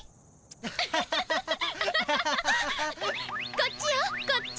こっちよこっち。